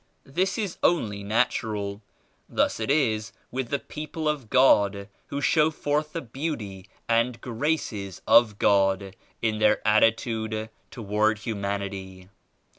This is only natural. Thus it is with the people of God who show forth the Beauty and Graces of God in their attitude toward humanity.